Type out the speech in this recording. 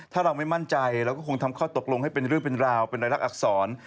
ถ้าเราไม่มั่นใจเราก็คงทำข้อตกลงให้เป็นเรื่องเป็นราวเป็นรายลักษร